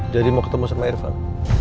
jadi mau ketemu sama irfan